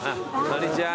こんにちは。